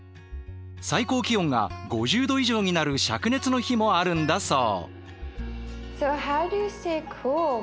最高気温が５０度以上になるしゃく熱の日もあるんだそう。